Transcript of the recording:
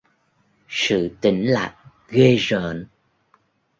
Sự tĩnh lặng ghê rợn